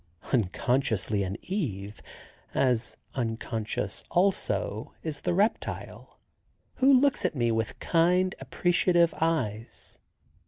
Unconsciously an Eve, as unconscious, also, is the reptile, who looks at me with kind, appreciative eyes.